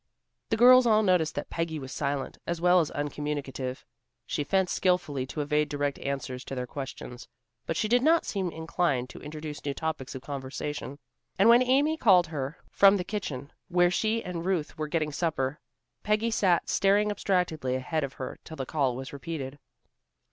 The girls all noticed that Peggy was silent, as well as uncommunicative. She fenced skilfully to evade direct answers to their questions, but she did not seem inclined to introduce new topics of conversation. And when Amy called her from the kitchen, where she and Ruth were getting supper, Peggy sat staring abstractedly ahead of her till the call was repeated.